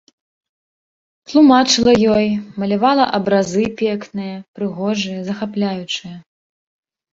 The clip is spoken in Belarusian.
Тлумачыла ёй, малявала абразы пекныя, прыгожыя, захапляючыя.